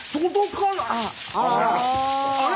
あれ？